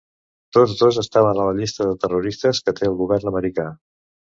Tots dos estaven a la llista de terroristes que té el govern americà.